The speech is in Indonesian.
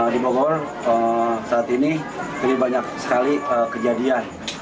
di bogor saat ini lebih banyak sekali kejadian